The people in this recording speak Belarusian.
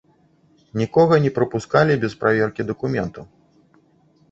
Нікога не прапускалі без праверкі дакументаў.